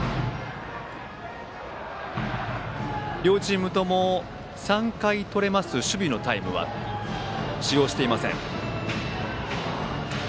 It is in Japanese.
両チームとも３回とれます守備のタイムは使用していません。